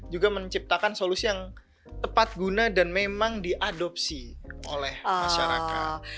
juga menciptakan solusi yang tepat guna dan memang diadopsi oleh masyarakat